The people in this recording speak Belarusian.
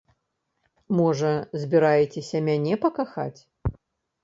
Можа, збіраецеся мяне пакахаць?